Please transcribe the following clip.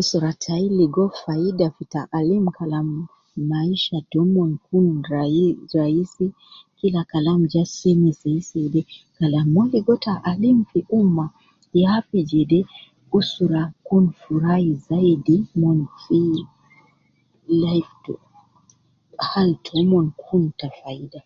Usra tayi ligo faida fi taalim kalam maisha taumon kun rai raisi kila kalam ja seme seiseide kalam mon ligo taalim fi ummah, ya fi jedde usra kun furayi zaidi hmm fi life hal taumon kun ta faida.